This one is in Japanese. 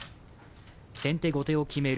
先手・後手を決める